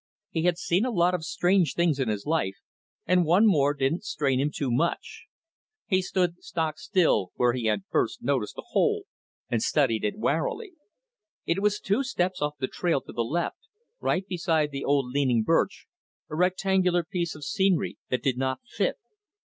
He had seen a lot of strange things in his life, and one more didn't strain him too much. He stood stockstill where he had first noticed the hole and studied it warily. It was two steps off the trail to the left, right beside the old leaning birch, a rectangular piece of scenery that did not fit.